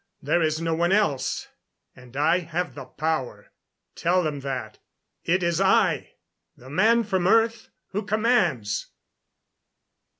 There is no one else and I have the power. Tell them that. It is I, the man from earth, who commands!"